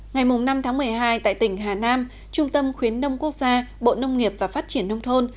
ngày năm tháng một mươi hai tại tỉnh hà nam trung tâm khuyến nông quốc gia bộ nông nghiệp và phát triển nông thôn